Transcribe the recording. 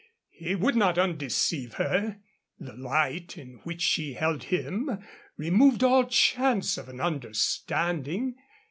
He would not undeceive her. The light in which she held him removed all chance of an understanding.